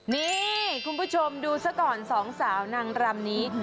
นี่คุณผู้ชมดูซะก่อนสองสาวนางรำนี้